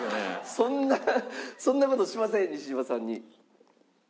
そんなそんな事しません西島さんに。